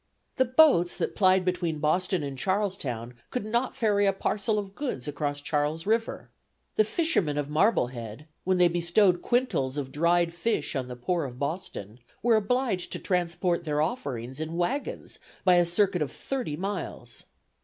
The boats that plied between Boston and Charlestown could not ferry a parcel of goods across Charles River. The fishermen of Marblehead, when they bestowed quintals of dried fish on the poor of Boston, were obliged to transport their offerings in wagons by a circuit of thirty miles."